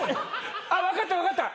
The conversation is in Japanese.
分かった分かった。